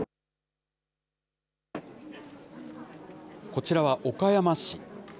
こちらは岡山市。